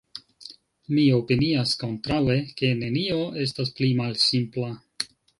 Mi opinias kontraŭe, ke nenio estas pli malsimpla.